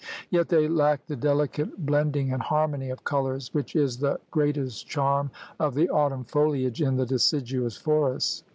Yet they lack the delicate blend ing and harmony of colors which is the great est charm of the autumn foliage in the deciduous forests.